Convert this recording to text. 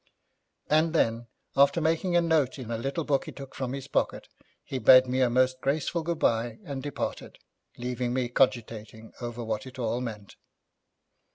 And then, after making a note in a little book he took from his pocket, he bade me a most graceful good bye and departed, leaving me cogitating over what it all meant.